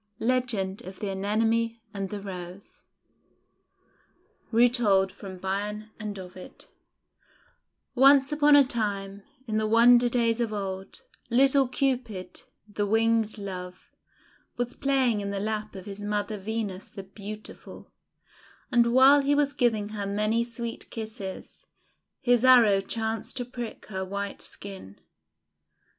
LEGEND OF THE ANEMONE AND THE ROSE Retold from Bion and Ovid ONCE upon a time, in the wonder days of old, little Cupid, the Winged Love, was playing in the lap of his mother Venus the Beautiful, and while he was giving her many sweet kisses, his arrow chanced to prick her white skin.